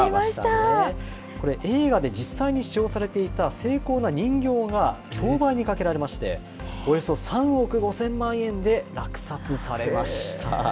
これ、映画で実際に使用されていた精巧な人形が競売にかけられまして、およそ３億５０００万円で落札されました。